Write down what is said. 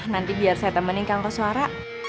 nanti biar saya temenin kang koswara